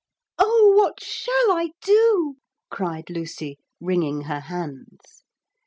'Oh, what shall I do?' cried Lucy, wringing her hands.